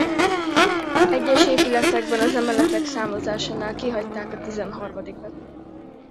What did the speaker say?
Egyes épületekben az emeletek számozásánál kihagyták a tizenharmadikat.